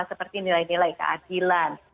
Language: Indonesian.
seperti nilai nilai keadilan